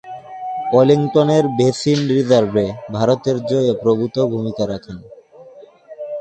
ওয়েলিংটনের basin রিজার্ভে ভারতের জয়ে প্রভূতঃ ভূমিকা রাখেন।